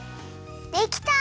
できた！